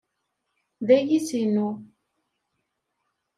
D ayis-inu.